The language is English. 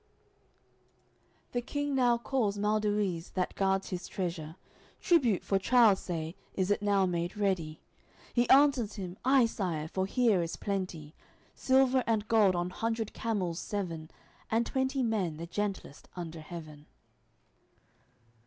AOI. LI The King now calls Malduiz, that guards his treasure. "Tribute for Charles, say, is it now made ready?" He answers him: "Ay, Sire, for here is plenty Silver and gold on hundred camels seven, And twenty men, the gentlest under heaven."